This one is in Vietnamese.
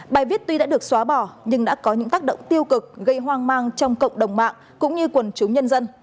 bài viết tuy đã được xóa bỏ nhưng đã có những tác động tiêu cực gây hoang mang trong cộng đồng mạng cũng như quần chúng nhân dân